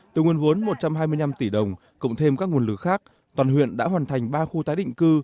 từ nguồn vốn một trăm hai mươi năm tỷ đồng cộng thêm các nguồn lực khác toàn huyện đã hoàn thành ba khu tái định cư